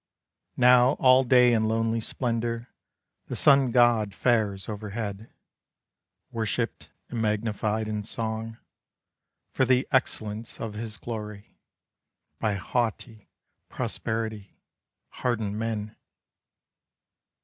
Now all day in lonely splendor The sun god fares overhead, Worshiped and magnified in song, For the excellence of his glory, By haughty prosperity hardened men.